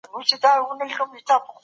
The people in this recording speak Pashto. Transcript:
اووه منفي يو؛ شپږ پاته کېږي.